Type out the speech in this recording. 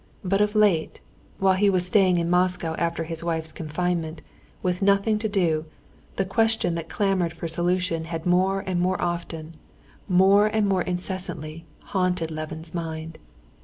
But of late, while he was staying in Moscow after his wife's confinement, with nothing to do, the question that clamored for solution had more and more often, more and more insistently, haunted Levin's mind.